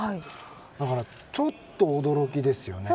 だから、ちょっと驚きですよね。